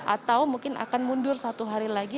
atau mungkin akan mundur satu hari lagi